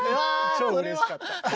超うれしかった。